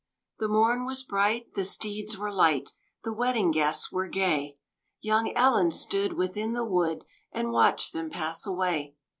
The morn was bright, the steeds were light, The wedding guests were gay: Young Ellen stood within the wood And watched them pass away.